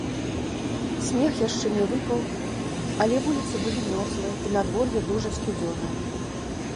Снег яшчэ не выпаў, але вуліцы былі мёрзлыя і надвор'е дужа сцюдзёнае.